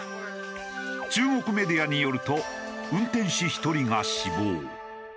中国メディアによると運転士１人が死亡。